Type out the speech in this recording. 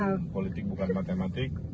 dan politik bukan matematik